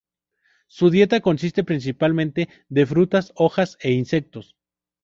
Su dieta consiste principalmente de frutas, hojas e insectos.